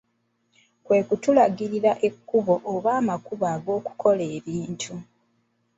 Kwe kutulagirira ekkubo oba amakubo ag'okukola ebintu.